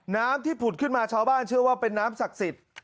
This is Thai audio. น้ำที่ผุดขึ้นมาชาวบ้านเชื่อว่าเป็นน้ำศักดิ์สิทธิ์